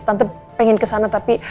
tante pengen kesana tapi